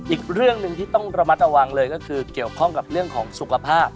อีกเรื่องหนึ่งที่ต้องระมัดระวังเลยก็คือเกี่ยวข้องกับเรื่องของสุขภาพ